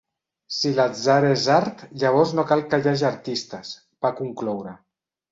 Si l'atzar és art llavors no cal que hi hagi artistes, va concloure.